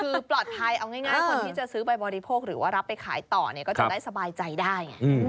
คือปลอดภัยเอาง่ายคนที่จะซื้อไปบริโภคหรือว่ารับไปขายต่อเนี่ยก็จะได้สบายใจได้ไง